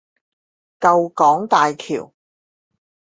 舊港大橋